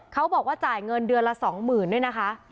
เขาบอกว่าจ่ายเงินเดือนละ๒๐๐๐ด้วยนะคะ